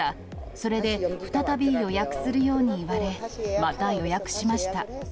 それで再び予約するように言われ、また予約しました。